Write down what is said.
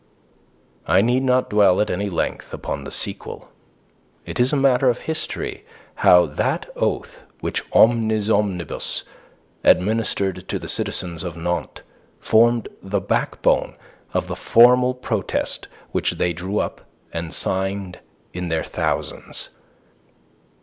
I need not dwell at any length upon the sequel. It is a matter of history how that oath which Omnes Omnibus administered to the citizens of Nantes formed the backbone of the formal protest which they drew up and signed in their thousands.